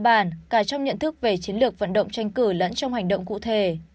cơ bản cả trong nhận thức về chiến lược vận động tranh cử lẫn trong hành động cụ thể